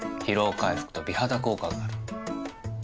疲労回復と美肌効果がある。